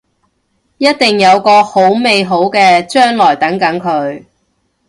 一定有個好美好嘅將來等緊佢